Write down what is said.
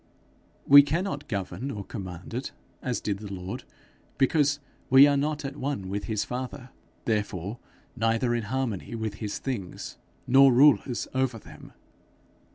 We cannot govern or command in it as did the Lord, because we are not at one with his father, therefore neither in harmony with his things, nor rulers over them.